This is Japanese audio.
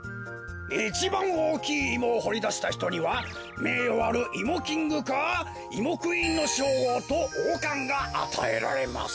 いちばんおおきいイモをほりだしたひとにはめいよあるイモキングかイモクイーンのしょうごうとおうかんがあたえられます。